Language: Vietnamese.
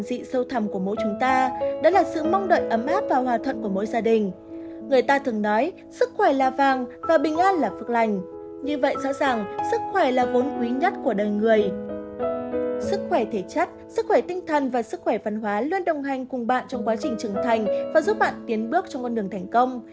sức khỏe thể chất sức khỏe tinh thần và sức khỏe văn hóa luôn đồng hành cùng bạn trong quá trình trưởng thành và giúp bạn tiến bước trong con đường thành công